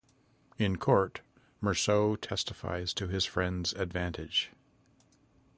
In court, Mersault testifies to his friend's advantage.